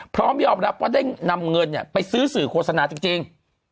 พร้อมยอมรับว่าได้นำเงินไปซื้อสื่อโฆษณาจริง